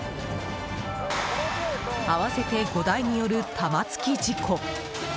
合わせて５台による玉突き事故。